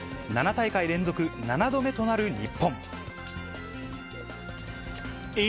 ７大会連続、７度目となる日本。